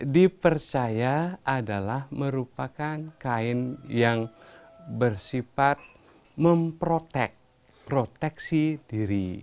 dipercaya adalah merupakan kain yang bersifat memproteksi proteksi diri